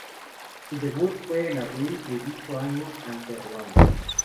Su debut fue en abril de dicho año ante Ruanda.